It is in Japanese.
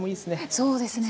そうですね。